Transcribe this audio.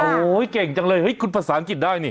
โอ้โหเก่งจังเลยเฮ้ยคุณภาษาอังกฤษได้นี่